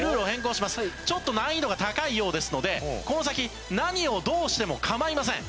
ちょっと難易度が高いようですのでこの先何をどうしても構いません。